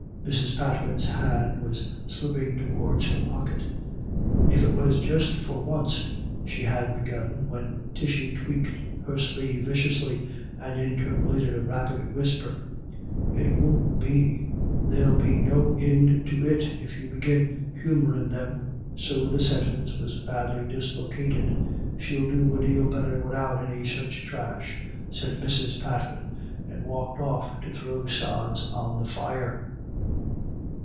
Mrs. Patman's hand was slipping towards her pocket :" If it was just for onst "— she had begun, when Tishy tweaked her sleeve viciously, and in terpolated a rapid whisper :" It won't be; there'll be no ind to it if you begin humourin' them;" so the sentence was badly dislocated. " She'll do a dale better widout any such thrash," said Mrs. Pat man, and walked off to throw sods on the fire.